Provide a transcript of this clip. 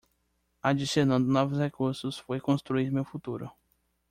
Adicionando novos recursos foi construir meu futuro.